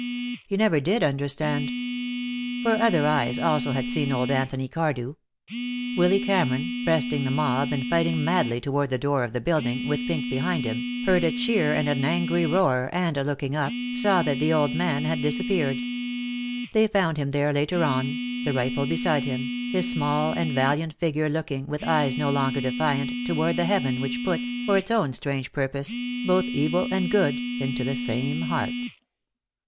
He never did understand. For other eyes also had seen old Anthony Cardew. Willy Cameron, breasting the mob and fighting madly toward the door of the building, with Pink behind him, heard a cheer and an angry roar, and, looking up, saw that the old man had disappeared. They found him there later on, the rifle beside him, his small and valiant figure looking, with eyes no longer defiant, toward the Heaven which puts, for its own strange purpose, both evil and good into the same heart.